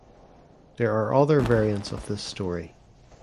There are other variants of this story.